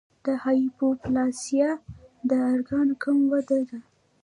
د هایپوپلاسیا د ارګان کم وده ده.